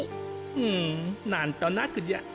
うんなんとなくじゃ。